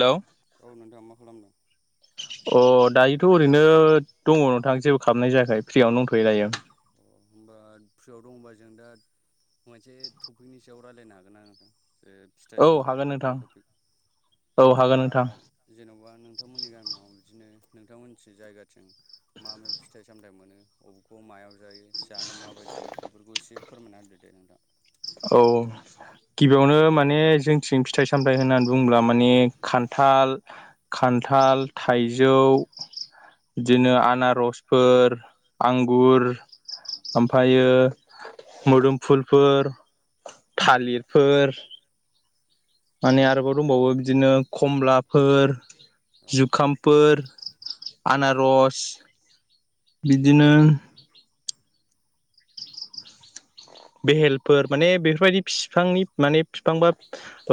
Hello औ नोंथाङा मा खालामदों? [inaudible] अ दायोथ' ओरैनो दङ नोंथां जेबो खालामाबनाय जायाखै फ्रियावनो दंथयो दायो। अ होमबा फ्रियाव दंबा जों दा मोनसे टपिकनि सायाव रायज्लायनो हागोन आं नोंथां? ओ फिथाइ सामथाइ बेफोरनि टपिक दा जेन'बा नोंथांमोननि गामियाव बिदिनो नोंथांमोनथिं जायगाथिं मा मा फिथाइ सामथाइ मोनो बबेखौ मायाव जायो जानो माबायदि बेफोरखौ एसे फोरमायना होदो दे नोंथां। औ गिबियावनो माने जोंथिं फिथाइ सामथायाइ होननानै बुंङोब्ला माने खान्थाल खान्थाल थाइजौ बिदिनो आनारसफोर आंगुर ओमफ्र मोदोमफुलफोर थालिरफोर माने आरोबाव दंबावो बिदिनो खमलाफोर जुखामफोर आनारस बिदिनो बेहेलफोर माने बेफोरबायदि बिफांनि माने बिफां बा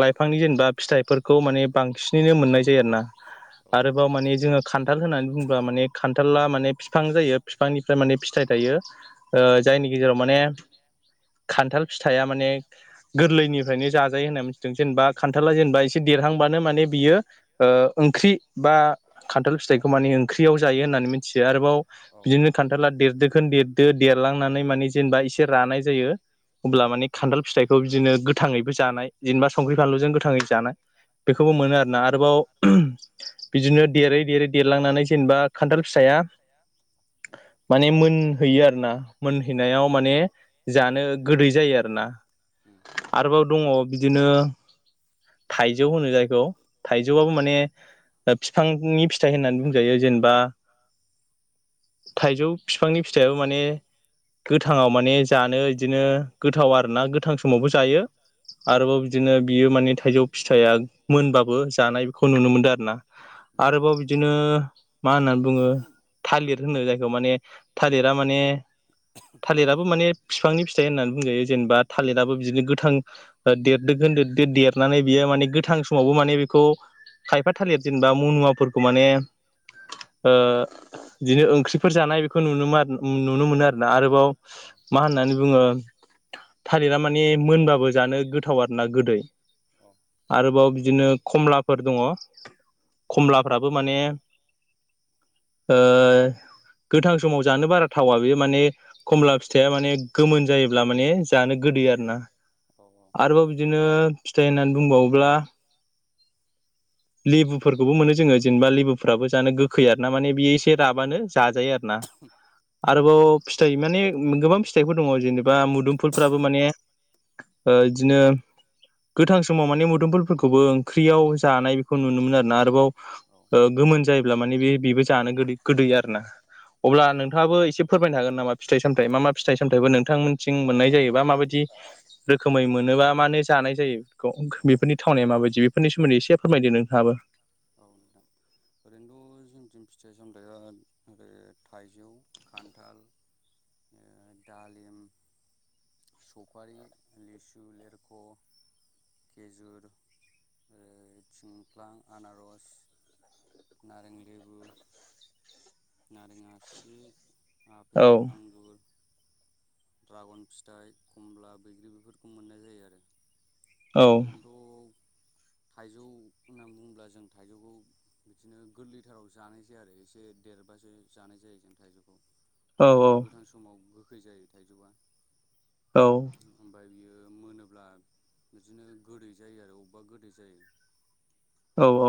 लाइफांनि जेनेबा फिथाइफोरखौ माने बांसिनैनो मोननाय जायो आरोना। आरोबाव मानि जोङो खान्थाल होननानै बुंङोब्ला माने खान्थाला माने बिफां जायो बिफांनिफ्राय माने फिथाइ थायो। जायनि गेजेराव माने खान्थाल फिथाइया माने गोरलैनिफ्रायनो जाजायो होननानै मिथिदों जेनेबा खान्थाला जेनेबा एसे देरहांबानो माने बियो ओंख्रि बा [inaudible] खान्थाल फिथाइखौ माने ओंख्रियाव जायो होननानैथियो आरोबाव बिदिनो खनथाल खान्थाला देरदोखोन देरदो देरलांनानै माने जेनेबा एसे रानाय जायो अब्ला माने खान्थाल फिथाइखौ बे बिदिनो गोथाङैबो जानाय जेनेबा संख्रि फानलुजों गोथाङै जानो बेखौबो मोनो आरोना आरोबाव बिदिनो देरै देरै देरलांनानै जेनेबा खान्थाल फिसाया माने मोनहैयो आरोना मोनहैनायाव माने जानो गोदै जायो आरोना आरोबाव दङ बिदिनो थाइजौ होनो जायखौ थाइजौआबो माने बिफांनि फिथाइ होननानै बुंजायो जेनबा थाइजौ बिफांनि फिथाइयाबो माने गोथाङाव माने जानो बिदिनो गोथाव आरोना गोथां समावबो जायो। आरोबाव बिदिनो बियो माने थाइजौ फिथाइया मोनबाबो जानाय बेखौ नुनो मोनदों आरो ना। आरोबाव बिदिनो मा होननानै बुङो थालिर होनो जायखौ माने थालिरा माने थालिराबो माने बिफांनि फिथाइ होननानै बुंजायो जेनेबा थालिराबबो बिदिनो गोथां देरदोगोन देद देरनानै बियो माने गोथां समावबो माने बेखौ खायफा थालिर जेनेबा मनुवाफोरखौ माने बिदिनो ओंख्रिफोर जानाय बेखौ नुनो नुनो मोनो आरोना आरोबाव मा होननानै बुङो थालिरा माने मोनबाबो जानो गोथाव आरोना गोदै आरोबाव बिदिनो खमलाफोर दङ। खमलाफ्राबो माने गोथां समाव जानो बारा थावा बेयो माने खमला खोथाया माने गोमोन जायोब्ला माने जानो गोदैयो आरो ना औ औ आरोबाव बिदिनो फिथाइ होननानै बुंबावोब्ला लेबुफोरखौबो मोनो जोङो जेनेबा लेबुफोराबो जानो गोखै आरो ना माने बेयो एसे राबानो जाजायो आरो ना आरोबाव फिथाइ माने गोबां फिथाइफोर दङ जेनेबा मुदुमफुफ्राबो माने बिदिनो गोथां समाव माने मोदोमफुलफोरखौबो ओंख्रियाव जानाय खौ नुनो मोन आरोना आरोबाव गोमोन जायोब्ला माने बे बेबो जानो गोदै गोदै आरोना अब्ला नोंथाङाबो एसे फोरमायनो हागोन नामा फिथाइ सामथथाय मा मा फिथाइ सामथाइफोर नोंथांमोनथिं मोननाय जायोबा माबायदि रोखोमै मोनोबा मानो जानाय जायो बेफोरनि थावनाया माबायदि बेफोरनि सोमोन्दै एसे फोरमायदो नोंथाङाबो [unintelligible] ओरैनोथ' जोंथिं फिथाइ सामथाइया ओरै थाइजौ खान्थाल ओ दालिम सफारि लिसु लिरख' खेजुर ओ थिंफ्लां, आनारस नारें, लेबु नारें आसि, आपेल, आंगुर ड्रागन फिथाइ, खमला, बैग्रि बेफोरखौ मोननाय जायो आरो ओरैनो थ' थाइजौ होननानै बुङोब्ला जों थाइजौखौ बिदिनो गोरलैथाराव जानाया आरो एसे देरबासो जानाय जायो जों थाइजौखौ आरो गोथां समाव गोखै जायो। थाइजौवा [unintelligible] बियो मोनोब्ला बिदिनो गोदै जायो आरो अबबा गोदै जायो।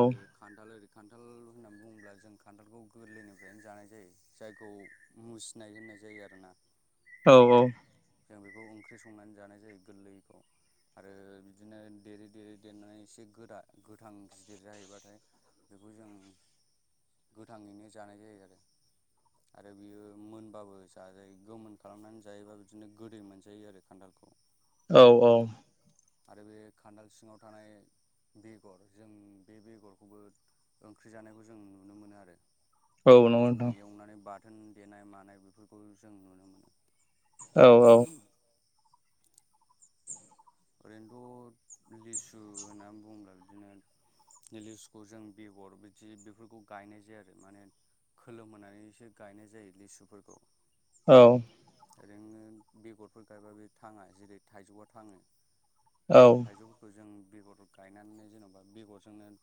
आरो खान्थाल ओरै खान्थाल होननानै बुङोब्ला जों खान्थालखौ गोरलैनिफ्रायनो जानाय जायो जायखौ मुसिनाय होननाय जायो आरोना। औ औ। जों बेखौ ओंख्रि संनानै जानाय जायो गोरलैखौ आरो बिदिनो देरै देरै देरनानै एसे गोदा गोथां गिदिर जाहैबाथाय बेखौ जों गोथाङैनो जानाय जायो आरो। आरो बियो मोनबाबो जाजायो गोमोन खालामनानै जायोबा बिदिनो गोदै मोनजायो आरो खान्थालखौ। औ औ। आरो बे खान्दाल सिङाव थानाय बेगर जों बे बेगरखौबो ओंख्रि जानायखौ जों नुनो मोनो आरो। बिदिनो एवनानै बाथोन देनाय मानाय बेफोरखौ जों नुनो मोनो। औ औ। ओरैनोथ' लिसु होननानै बुङोब्ला बिदिनो लिसुखौ जों बेगर बिदि बेफोरखौ गायनाय जायो आरो माने खोलोमहानैसो गायनाय जायो लिसुफोरखौ औ। ओरैनो बेगरफोर गायब्ला बे थाङा जेरै थाइजौआ थाङो। औ। थाइजौफोरखौ जों बेगर गायनानै जेन'बा बेगरजोंनो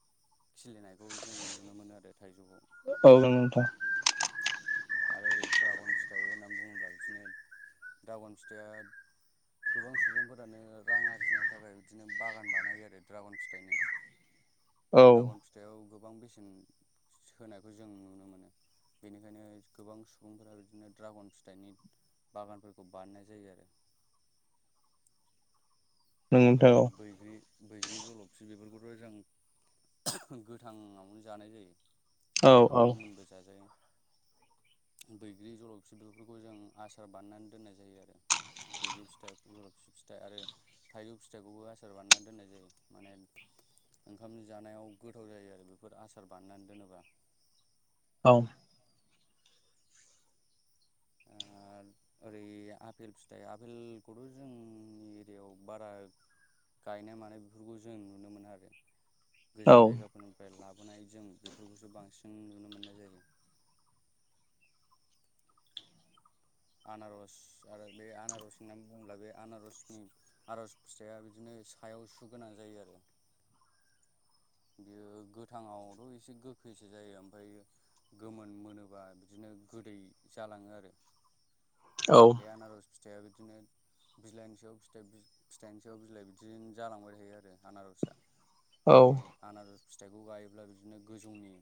खिलिनायखौ जों नुनो मोनो आरो थाइजौखौ। औ नोंथां। आरो ओरै द्रागन फिथाइ होननानै बुङोब्ला बिदिनो द्रागन फिथाइया गोबां सुबुंफोरानो रां आरजिनो थाखाय बिदिनो बागान बानायो आरो द्रागन फिथाइनि द्रागन फिथ थाइयाव गोबां बेसेन सो होनायखौ जों नुनो मोनो। बेनिखायनो गोबां सुबुंफोरा बिदिनो ड्रागन फिथाइनि बागानफोरखौ बारनाय जायो आरो। आरो ओरै बैग्रि बैग्रि, जलफि बेफोरखौथ' जों गोथाङावनो जानाय जायो। आरो गोमोनबो जाजायो। बैग्रि, जल'फि बेफोरखौ जों आसार बानायनानै दोननाय जायो आरो। बैग्रि फिथाइ, जल'फि फिथाइ आरो थाइजौ फिथाइखौबो आसार बानायना दोननाय जायो माने ओंखाम जानायाव गोथाव जायो आरो बेफोर आसार बानायनानै दोनोबा। औ। आ ओरै आफेल फिथाइ आफेलखौथ' जोंनि एरियायाव बारा गायनाय-मानाय बेफोरखौ जों नुनो मोनो आरो गोजान जायगाफोरनिफ्राय लाबोनाय जों बेफोरखौसो बांसिन नुनो मोननाय जायो। आनारस आरो बे आनारस होननानै बुङोबा बे आनारसनि आर'ज फिथाइ बिदिनो सायाव सुगोनां जायो आरो। बियो गोथाङावथ' एसे गोखैसो जायो ओमफ्राय। गोमोन मोनोबा बिदिनो गोदै जालाङो आरो बे आनारस फिथाइया बिदिनो। बिलाइनि सायाव फिथाइनि सायाव बिलाइ बिदिनो जालांबाय थायो आरो आनारसा माने आनार फिथाइखौ गायोब्ला बिदिनो गोजौनि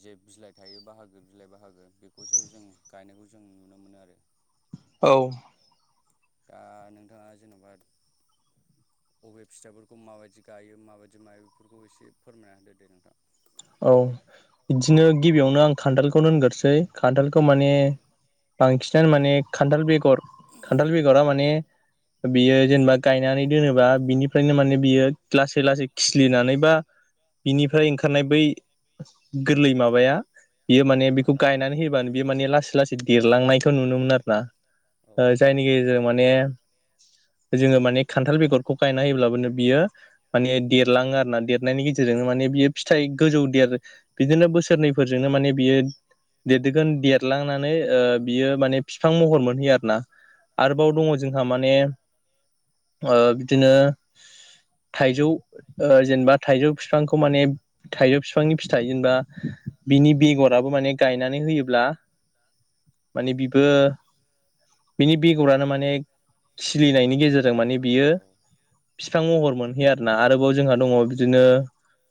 जे बिलाइ थायो बाहागो बिलाइ बाहागो बेखौसो जों गायनायखौ जों नुनो मोनो आरो। औ। दा नोंथाङा जेन'बा बबे फिथाइफोरखौ माबायदि गायो माबायदि मायो बेफोरखौ एसे फोरमायना होदो दे नोंथाङा? औ बिदिनो गिबियावनो आं खान्थालखौनो होनग्रोसै खान्थालखौ माने बांसिनानो माने खान्थाल बेगर खान्थाल बेगरा माने बियो जेनेबा गायनानै दोनोबा बिनिफ्रायनो माने बियो लासै लासै खिस्लिनानै बा बिनिफ्राय ओंखारनाय बै गोरलै माबाया बियो माने बेखौ गायनानै होयोबानो बियो माने लासै लासै देरलांनायखौ नुनो मोनो आरो ना जायनिखि गेजेरजों माने जोङो माने खान्थाल बेगरखौ गायना होयोब्लाबो बियो माने देरलाङो आरो ना देरनायनि गेजेरजोंनो माने बियो फिथाइ गोजौ देर बिदिनो बोसोरनैफोरजोंनो माने बियो। देरदोगोन देरलांनानै बियो ओ माने बिफां महर मोनहैयो आरो ना आरोबाव दङ जोंहा माने बिदिनो। थाइजौ जेनेबा थाइजौ बिफांखौ माने थाइजौ बिफांनि फिथाइ जेनेबा बिनि बेगराबो माने गायनानै होयोब्ला माने बिबो बिनि बेगरानो माने सिलिनायनि गेजेरजों जों माने बियो बिफां महर मोनहैयो आरोना आरोबाव जोंहा दङ बिदिनो।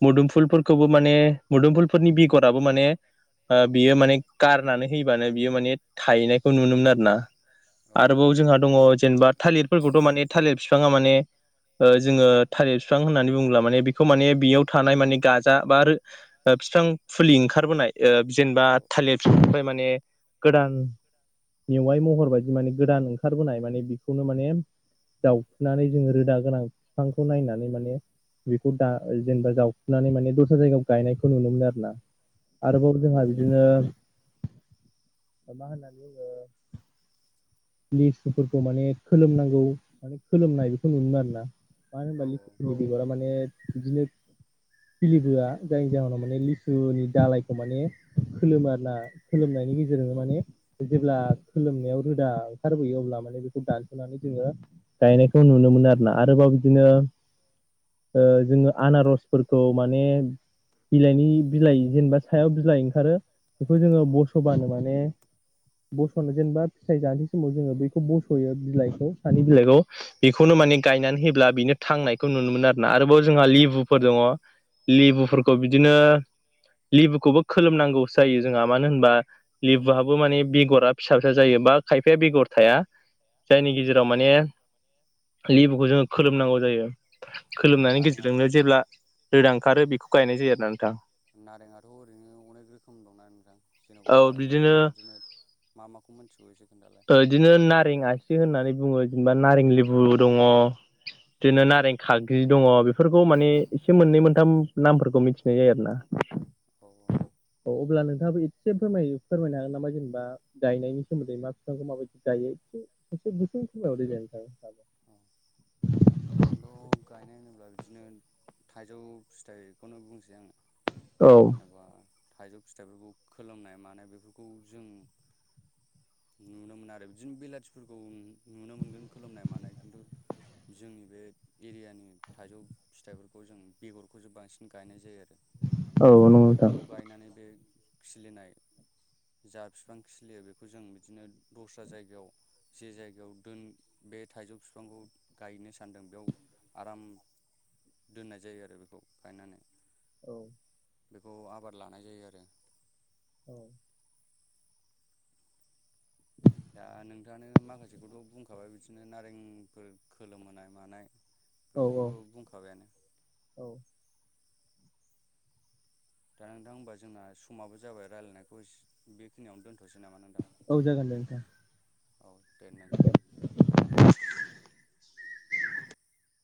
मोदुमफुलफोरखौबो माने मोदुमफुलफोरनि बेगराबो माने बियो माने गारनानै होबानो बियो माने थाहैनायखौ नुनोन आरो ना आरोबाव जोंहा दङ जेनेबा थालिरफोरखौथ' माने थालिर बिफाङा माने जोङो थारब बिस्रां होननानै बुङोब्ला माने बेखौ माने बेयाव थानाय माने। गाजा बा बिफां फुलि ओंखारबोनाय जेनेबा थालिरफ्राय माने गोदान मेवाइ महर बायदि माने गोदान ओंखारबोनाय माने बेखौनो माने जावखुनानै जोङो रोदा गोनां बिफांखौ नायनानै माने बेखौ दा जेनेबा जाव हुनानै माने दस्रा जायगायाव गायनायखौ नुनो मोनो आरो ना आरोबाव जोंहा बिदिनो। मा होननानै बुङो। लिस्टुफोरखौ माने खोलोमनांगौ माने खोलोमनाय बेखौ नुनो मोनो आरो ना मानो होनबा लानि बिगरा माने बिदिनो बििलिबोआ जायनि जाहोनाव माने लिसुनि दालायखौ माने खोलोमो आरो ना खोलोमनायनि जोङो माने जेब्ला खोलोमनायाव रोदा ओंखारबोयो अब्ला माने बेखौ दानस'नानै जोङो गायनायखौ नुनो मोनो आरोोना आरोबाव बिदिनो जोङो आनारस खौ माने बिलाइनि बिलाइ जेनेबा सायाव बिलाइ ओंखारो। बेखौ जोङो बस'बानो माने बस'नो जेनेबा फिथाइ जानाय समाव जोङो बैखौ बस'यो बिलाइखौ सानि बिलाइखौ बेखौनो माने गायनानै होयोब्ला बेनो थांनायखौ नुनो मोनो आरोना आरोबाव जोंहा लिबुफोर दङ। लेबुफोरखौ बिदिनो लेबुखौबो खोलोमनांगौसो जायो जोंहा मानो होनबा। लिबुआबो माने बेगरा फिसा फिसा जायो बा खायफाया बेगर थाया। जायनि गेजेराव माने लेबुखौ जोङो खोलोमनांगौ जायो। खोलोमनायनि गेजेरजोंनो जेब्ला रोदां ओंखारो बेखौ गायनाय जायो आर ना नोंथां। नारेंआाथ' ओरैनो अनेक रोखोम दंना नोंथां जेन'बा नोंथाङा बिदिनो। मा माखौ मिन्थिबोै जोगोन्दालाय। बिदिनो नारें आसि होननानै बुङो जेनेबा नारें लेबु दङ बिदिनो नारें खागजि दङ बेफोरखौ माने एसे मोननै मोनथाम नामफोरखौ मिथिनाय जायो आरो ना औ औ औ अब्ला नोंथाङाबो एसे फोरमायो फोरमायनो हागोन नामा जेनेबा गायनायनि सोमोन्दै मा बिफांखौ माबायदि गायो एसे एसे गुसुं समायाव दे नोंथां औ ओरैनोद' गायनाय होनोब्ला बिदिनो थाइजौ फिथाइखौनो बुंसै आङो औ बा थाइजौ फिथाइफोरखौ खोलोमनाय मानाय बेफोरखौ जों नुनो मोना आरो बिदिनो बेलाथिफोरखौ नुनो मोनगोन खोलोमनाय मानाय खिन्थु जोंनि बे एरियानि थाइजौ फिथाइफोरखौ जों बेगरखौसो बांसिन गायनाय जायो आरो औ नंगौ नोंथां गायनानै बे खिलिनाय जा फिफां खिलियो बेखौ जों बिदिनो दस्रा जायगायाव जे जायगायाव दोन बे थाइजौ फिफांखौ गायनो सानदों बेयाव आराम दोननाय जायो आरो बेखौ गायनानै औ बेखौ आबार लानाय जायो आरो औ दा नोंथाङानो माखासेखौथ' बुंखाबाय बिदिनो नारेंफोर खोलोमहोनाय मानाय बेफोरखौथ' बुंखाबायानो औ दा नोंथां होनबा जोंना समाबो जाबाय रायलायनायखौ बेखिनियावनो दोनथ'सै नामा नोंथां औ जागोन दे नोंथां औ दे नोंथां